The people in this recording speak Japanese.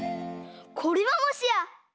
これはもしや！